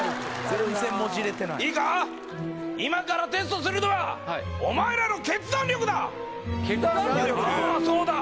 全然もじれてないいいか、今からテストするのはお前らの決断力だ。